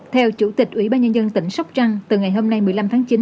theo chủ tịch ủy ban nhân dân tỉnh sóc trăng từ ngày hôm nay một mươi năm tháng chín